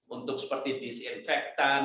untuk seperti disinfektan